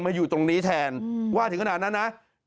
อยู่ตรงนี้แทนว่าถึงขนาดนั้นนะ